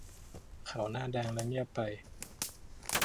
เขาหน้าแดงและเงียบไป